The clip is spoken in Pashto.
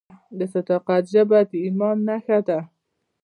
د صداقت ژبه د ایمان نښه ده.